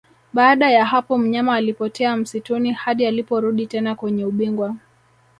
Baada ya hapo mnyama alipotea msituni hadi aliporudi tena kwenye ubingwa